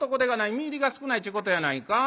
実入りが少ないっちゅうことやないか？